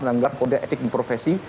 menanggar kode etik di profesi